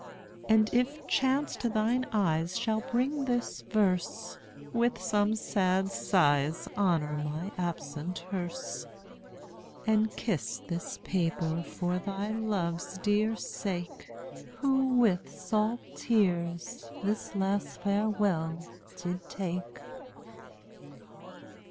And if chance to thine eyes shall bring this verse, With some sad sighs honor my absent hearse; And kiss this paper for thy dear love's sake, Who with salt tears this last farewell did take.